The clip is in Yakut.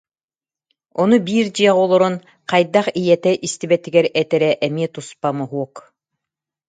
Ону биир дьиэҕэ олорон, хайдах ийэтэ истибэтигэр этэрэ эмиэ туспа моһуок